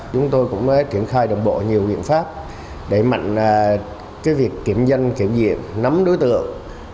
chúng tôi cũng triển khai đồng bộ nhiều biện pháp để mạnh việc kiểm danh kiểm diện nắm đối tượng